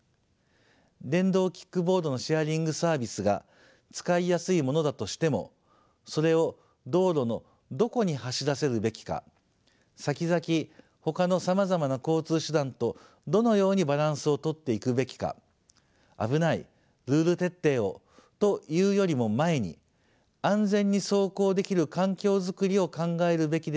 電動キックボードのシェアリングサービスが使いやすいものだとしてもそれを道路のどこに走らせるべきかさきざきほかのさまざまな交通手段とどのようにバランスをとっていくべきか「危ない」「ルール徹底を」と言うよりも前に安全に走行できる環境づくりを考えるべきではないかと思います。